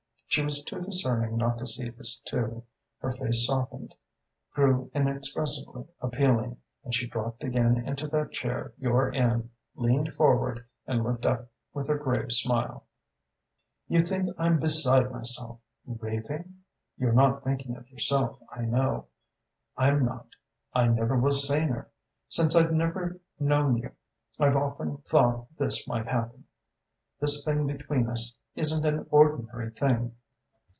"She was too discerning not to see this too. Her face softened, grew inexpressibly appealing, and she dropped again into that chair you're in, leaned forward, and looked up with her grave smile. "'You think I'm beside myself raving? (You're not thinking of yourself, I know.) I'm not: I never was saner. Since I've known you I've often thought this might happen. This thing between us isn't an ordinary thing.